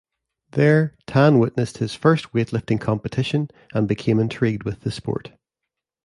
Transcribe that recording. There, Tan witnessed his first weightlifting competition and became intrigued with the sport.